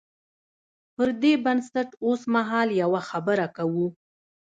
پر دې بنسټ اوسمهال یوه خبره کوو.